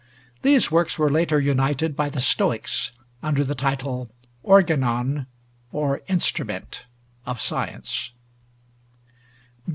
These works were later united by the Stoics under the title 'Organon,' or Instrument (of science).